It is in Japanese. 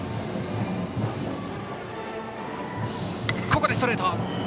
ここでストレート。